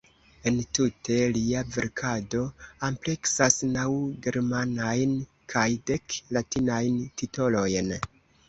Entute lia verkado ampleksas naŭ germanajn kaj dek latinajn titolojn.